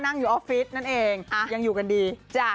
อยู่ออฟฟิศนั่นเองยังอยู่กันดี